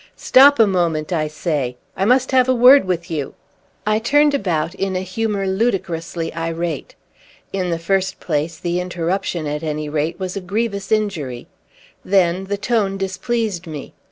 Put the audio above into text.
"Stop a moment, I say! I must have a word with you!" I turned about, in a humor ludicrously irate. In the first place, the interruption, at any rate, was a grievous injury; then, the tone displeased me.